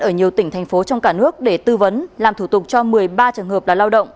ở nhiều tỉnh thành phố trong cả nước để tư vấn làm thủ tục cho một mươi ba trường hợp là lao động